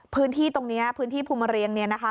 พื้นที่ตรงนี้พื้นที่ภูมิเรียงเนี่ยนะคะ